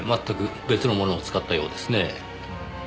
全く別のものを使ったようですねぇ。